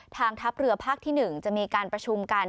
ทางทัพเรือภาคที่๑จะมีการประชุมกัน